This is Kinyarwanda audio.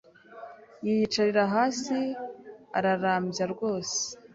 yiyicarira hasi ararambya rwose